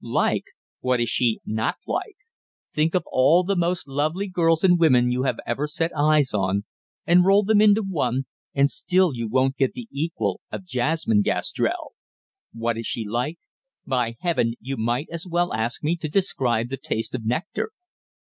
"Like? What is she not like! Think of all the most lovely girls and women you have ever set eyes on, and roll them into one, and still you won't get the equal of Jasmine Gastrell. What is she like? By heaven, you might as well ask me to describe the taste of nectar!"